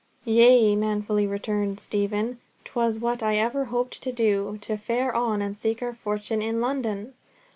"Yea," manfully returned Stephen. "'Twas what I ever hoped to do, to fare on and seek our fortune in London."